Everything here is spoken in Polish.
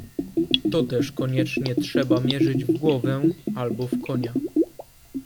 "To też koniecznie trzeba mierzyć w głowę, albo w konia."